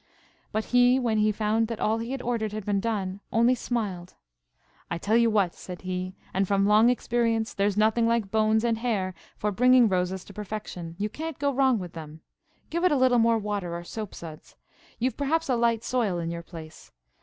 But he, when he found that all he had ordered had been done, only smiled. "I tell you again," said he, "and from long experience, there's nothing like bones and hair for bringing roses to perfection. You can't go wrong with them. Give it a little more water or soap suds. You've perhaps a light soil in your place.